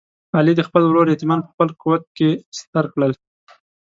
علي د خپل ورور یتیمان په خپل کوت کې ستر کړل.